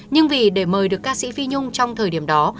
nhưng vì để mời được ca sĩ phi nhung trong thời điểm đó